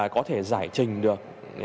có thể giải trình được